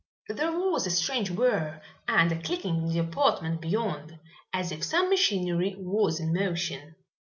There was a strange whirr and a clicking in the apartment beyond, as if some machinery was in motion.